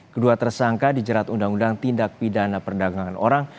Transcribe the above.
kedua tersangka dijerat undang undang tindak pidana perdagangan orang